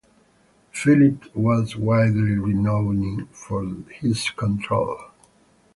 Phillippe was widely renowned for his control.